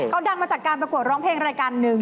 เขาดังมาจากการประกวดร้องเพลงรายการหนึ่ง